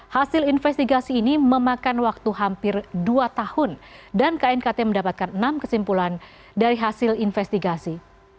hasil investigasi ini memakan waktu hampir dua tahun dan knkt mendapatkan enam kesimpulan dari hasil investigasi